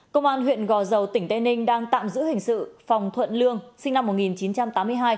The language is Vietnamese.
công an huyện gò dầu tỉnh tây ninh đang tạm giữ hình sự phòng thuận lương sinh năm một nghìn chín trăm tám mươi hai